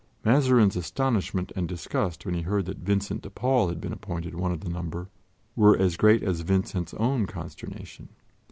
Mazarin's astonishment and disgust when he heard that Vincent de Paul had been appointed one of the number were as great as Vincent's own consternation.